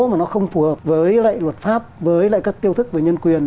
mà nó không phù hợp với lại luật pháp với lại các tiêu thức về nhân quyền